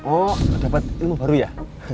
oh dapat ilmu baru ya